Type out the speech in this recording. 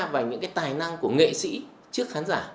và những cái tài năng của nghệ sĩ trước khán giả